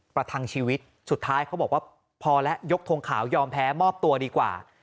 ประทังชีวิตสุดท้ายเขาบอกว่าพอแล้วยกทงขาวยอมแพ้มอบตัวดีกว่า